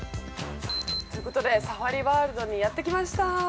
◆ということでサファリワールドにやってきました。